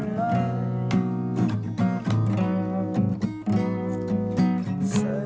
นำให้หน่อยสิ